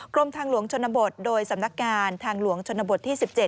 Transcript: กรมทางหลวงชนบทโดยสำนักงานทางหลวงชนบทที่๑๗